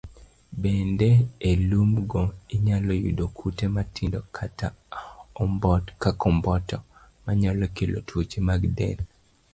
Bende, e lumgo, inyalo yudo kute matindo kaka omboto, manyalo kelo tuoche mag del.